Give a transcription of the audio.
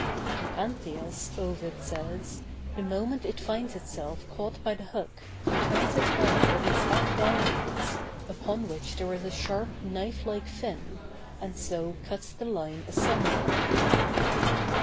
The anthias, Ovid says, the moment it finds itself caught by the hook, turns its body with its back downwards, upon which there is a sharp knife like fin, and so cuts the line asunder.